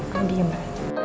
kamu diem mbak